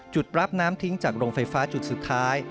จุดรับน้ำทิ้งจากโรงไฟฟ้าจุดสุดท้าย